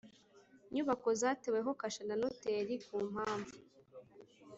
Nyubako zateweho kashe na noteri ku mpamvu